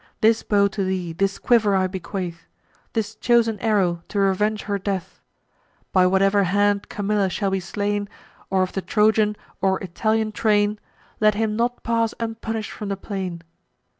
This bow to thee, this quiver I bequeath, This chosen arrow, to revenge her death: By whate'er hand Camilla shall be slain, Or of the Trojan or Italian train, Let him not pass unpunish'd from the plain.